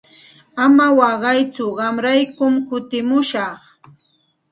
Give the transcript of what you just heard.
Ama waqaytsu qamraykum kutimushaq.